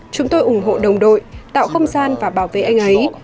chúng tôi ủng hộ đồng đội tạo không gian và bảo vệ anh ấy